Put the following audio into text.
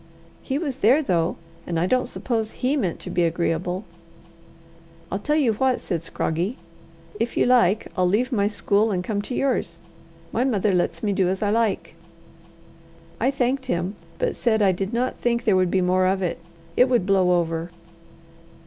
"He was there, though, and I don't suppose he meant to be agreeable." "I tell you what," said Scroggie: "if you like, I'll leave my school and come to yours. My mother lets me do as I like." I thanked him, but said I did not think there would be more of it. It would blow over.